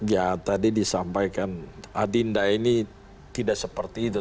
ya tadi disampaikan adinda ini tidak seperti itu